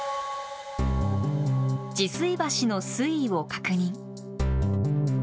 治水橋の水位を確認。